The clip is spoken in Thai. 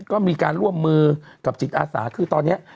ก็มีการร่วมมือกับจิตอาสาคือตอนนี้